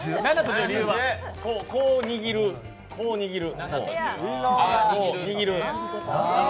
こう握るこう握る。